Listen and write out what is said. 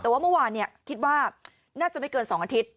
แต่ว่าเมื่อวานคิดว่าน่าจะไม่เกิน๒อาทิตย์